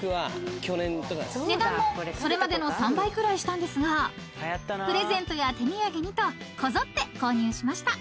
［値段もそれまでの３倍くらいしたんですがプレゼントや手土産にとこぞって購入しました］